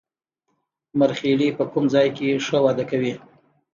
مرخیړي په کوم ځای کې ښه وده کوي